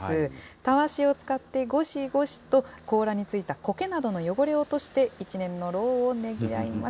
たわしを使ってごしごしと、甲羅についたこけなどの汚れを落として、１年の労をねぎらいます。